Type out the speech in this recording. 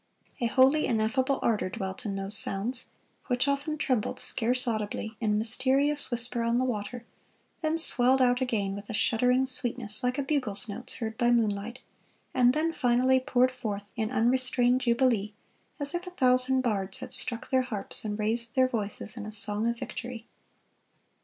A holy, ineffable ardor dwelt in those sounds, which often trembled scarce audibly, in mysterious whisper on the water, then swelled out again with a shuddering sweetness, like a bugle's notes heard by moonlight, and then finally poured forth in unrestrained jubilee, as if a thousand bards had struck their harps and raised their voices in a song of victory.